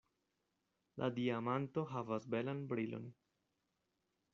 La diamanto havas belan brilon.